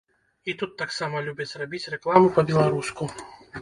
І тут таксама любяць рабіць рэкламу па-беларуску.